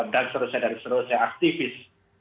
dan selesai dari selesai aktivis